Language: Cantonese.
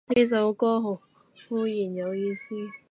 呢首歌好撚有意思